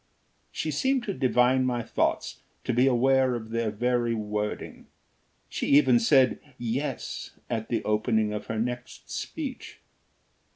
She seemed to divine my thoughts, to be aware of their very wording. She even said "yes" at the opening of her next speech.